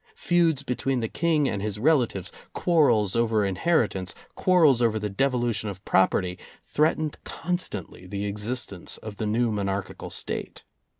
Feuds between the King and his relatives, quarrels over inheritance, quarrels over the devolution of property, threatened con stantly the existence of the new monarchial State.